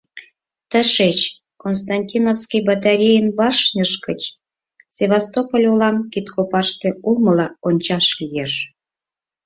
Тышеч, Константиновский батарейын башньыж гыч, Севастополь олам кидкопаште улмыла ончаш лиеш.